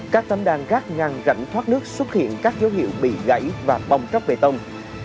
các tấm đàn gác ngăn rảnh thoát nước xuất hiện các dấu hiệu bị gãy và bong tróc bề tông